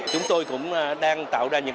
chúng tôi cũng đang tạo ra